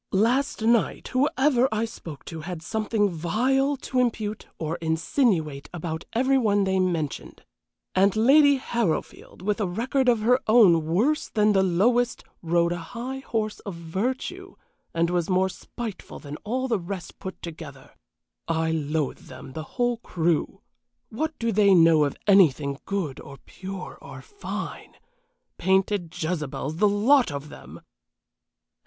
Last night, whoever I spoke to had something vile to impute or insinuate about every one they mentioned; and Lady Harrowfield, with a record of her own worse than the lowest, rode a high horse of virtue, and was more spiteful than all the rest put together. I loathe them, the whole crew. What do they know of anything good or pure or fine? Painted Jezebels, the lot of them!"